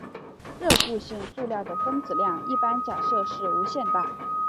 热固性塑料的分子量一般假设是无限大。